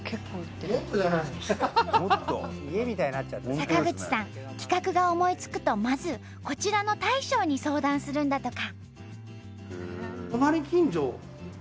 坂口さん企画が思いつくとまずこちらの大将に相談するんだとか。